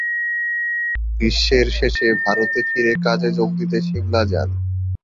গ্রীষ্মের শেষে ভারতে ফিরে কাজে যোগ দিতে সিমলা যান।